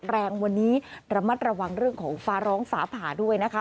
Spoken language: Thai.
แรงวันนี้ระมัดระวังเรื่องของฟ้าร้องฝาผ่าด้วยนะคะ